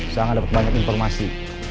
sangat dapet banyak informasi